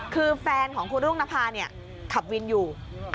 คือแฟนของคุณรุ่งนพาศ์นี่คบวินอยู่